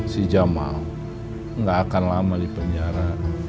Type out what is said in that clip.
si jamal nggak akan lama di penjara